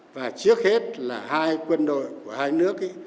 và trước hết là hai quân đội của hai nước